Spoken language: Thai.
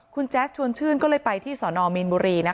คุณแจ๊สชวนชื่นก็เลยไปที่สนมีนบุรี